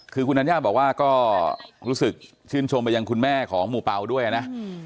คือคุณธัญญาบอกว่าก็รู้สึกชื่นชมไปยังคุณแม่ของหมู่เปล่าด้วยนะ